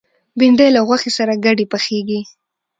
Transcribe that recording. بېنډۍ له غوښې سره ګډه پخېږي